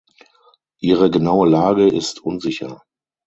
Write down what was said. Ihre genaue Lage ist unsicher.